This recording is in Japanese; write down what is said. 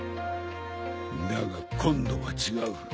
だが今度は違う。